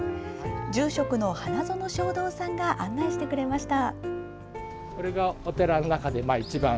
住職の花園昌道さんが案内してくれました。